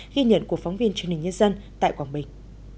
ghi nhận của phóng viên truyền hình nhân dân tại quảng bình